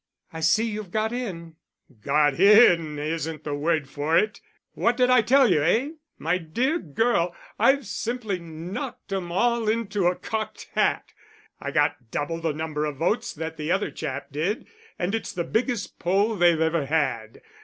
"I see you've got in." "Got in isn't the word for it! What did I tell you, eh? My dear girl, I've simply knocked 'em all into a cocked hat. I got double the number of votes that the other chap did, and it's the biggest poll they've ever had....